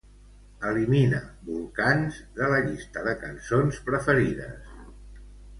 Elimina "Volcans" de la llista de cançons preferides.